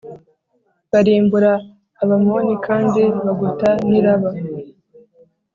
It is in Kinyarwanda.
barimbura Abamoni kandi bagota n’i Raba.